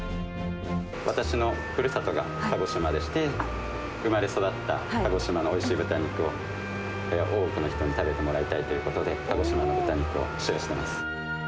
私のふるさとが鹿児島でして、生まれ育った鹿児島のおいしい豚肉を、多くの人に食べてもらいたいということで、鹿児島の豚肉を使用しています。